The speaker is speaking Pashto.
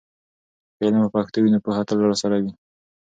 که علم په پښتو وي، نو پوهه تل راسره وي.